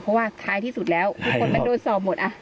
เพราะว่าท้ายที่สุดแล้วทุกคนมันโดนสอบหมด